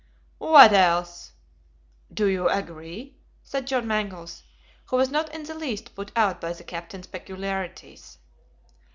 "What else?" "Do you agree?" said John Mangles, who was not in the least put out by the captain's peculiarities.